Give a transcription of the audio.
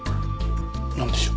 なんでしょう？